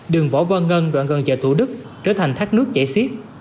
đường võ văn ngân đoạn gần chợ thủ đức trở thành thác nước chảy xiết